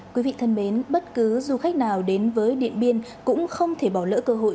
quý vị thân mến bất cứ du khách nào đến với điện biên cũng không thể bỏ lỡ cơ hội